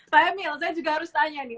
pak emil saya juga harus tanya nih